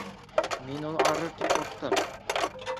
Мин ул арыр тип ҡурҡтым.